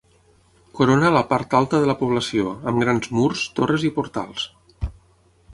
Corona la part alta de la població, amb grans murs, torres i portals.